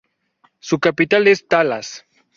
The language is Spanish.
Su capital es Talas.